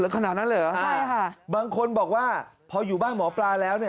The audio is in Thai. ขนาดนั้นเลยเหรอครับบางคนบอกว่าพออยู่บ้านหมอปลาแล้ว